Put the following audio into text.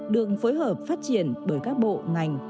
được phối hợp phát triển bởi các bộ ngành